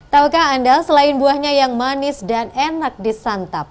taukah anda selain buahnya yang manis dan enak disantap